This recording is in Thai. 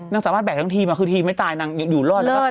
สามารถแบกทั้งทีมคือทีมไม่ตายนางอยู่รอดแล้วก็